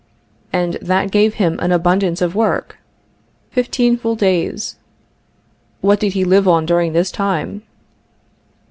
And that gave him an abundance of work? Fifteen full days. What did he live on during this time?